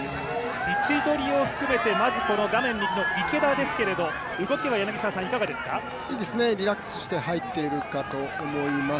位置取りを含めて画面右の池田ですけれどもいいですね、リラックスして入っていると思います。